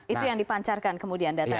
itu yang dipancarkan kemudian datanya